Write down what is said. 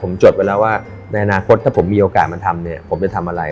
ผมจดไว้แล้วว่าในอนาคตถ้าผมมีโอกาสมาทำเนี่ยผมจะทำอะไร